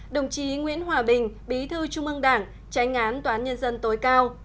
đồng chí nguyễn hòa bình bí thư trung ương đảng tránh án toán nhân dân tối cao